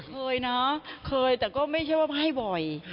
เคยนะเคยแต่ก็ไม่ใช่ว่าไพ่บ่อย